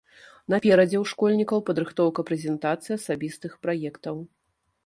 Наперадзе ў школьнікаў падрыхтоўка прэзентацыі асабістых праектаў.